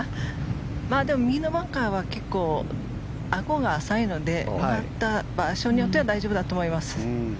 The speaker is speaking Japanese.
でも右のバンカーは結構、あごが浅いので場所によっては大丈夫だと思います。